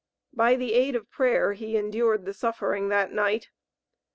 By the aid of prayer, he endured the suffering that night.